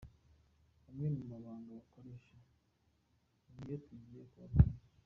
Amwe mu mabanga bakoresha ni yo tugiye kubabwira.